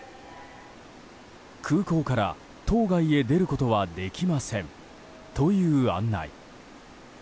「空港から島外へ出ることはできません」という案内。